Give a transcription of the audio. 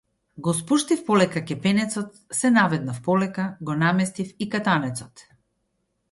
Го спуштив полека кепенецот, се наведнав полека, го наместив и катанецот.